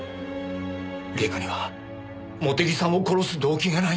礼夏には茂手木さんを殺す動機がない。